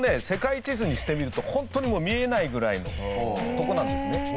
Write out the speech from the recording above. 世界地図にしてみると本当にもう見えないぐらいのとこなんですね。